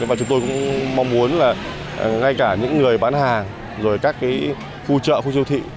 và chúng tôi cũng mong muốn là ngay cả những người bán hàng rồi các cái khu chợ khu siêu thị